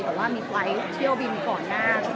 แต่ว่ามีไฟล์เที่ยวบินก่อนหน้า